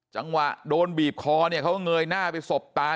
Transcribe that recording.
จังหวะโดนบีบคอเนี่ยเขาก็เงยหน้าไปสบตา